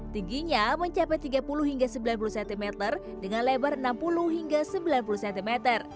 tingginya mencapai tiga puluh hingga sembilan puluh cm dengan lebar enam puluh hingga sembilan puluh cm